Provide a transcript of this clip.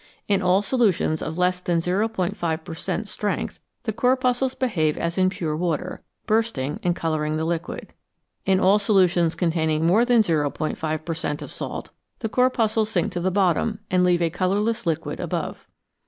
In all solutions of less than 0*5 per cent, strength the corpuscles behave as in pure water, bursting and colouring the liquid. In all solutions con taining more than 0'5 per cent, of salt, the corpuscles sink to the bottom, and leave a colourless liquid above.